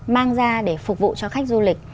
mang ra để phục vụ cho khách du lịch